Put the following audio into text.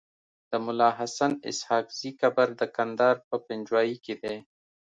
د ملاحسناسحاقزی قبر دکندهار په پنجوايي کیدی